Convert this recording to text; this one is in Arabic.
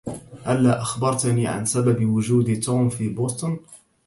هلّا أخبرتني عن سبب وجود توم في بوسطن؟